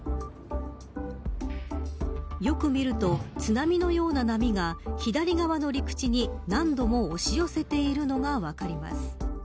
よく見ると津波のような波が左側の陸地に何度も押し寄せているのが分かります。